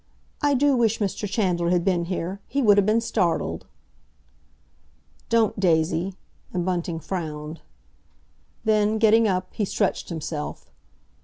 "I do wish Mr. Chandler had been here. He would 'a been startled!" "Don't, Daisy!" and Bunting frowned. Then, getting up, he stretched himself.